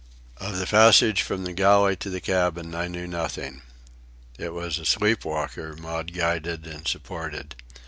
Of the passage from the galley to the cabin I knew nothing. It was a sleep walker Maud guided and supported.